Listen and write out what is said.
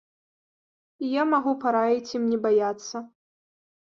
І я магу параіць ім не баяцца.